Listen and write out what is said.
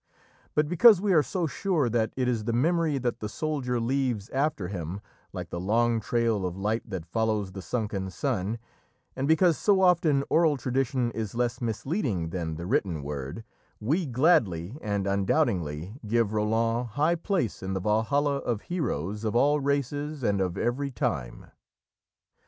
But because we are so sure that "it is the memory that the soldier leaves after him, like the long trail of light that follows the sunken sun," and because so often oral tradition is less misleading than the written word, we gladly and undoubtingly give Roland high place in the Valhalla of heroes of all races and of every time.